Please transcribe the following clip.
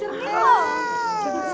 maaf saya terlambat bu